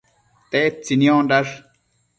Tedtsi niondash?